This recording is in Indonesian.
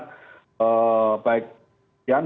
baik jian baik korlantas maupun jepang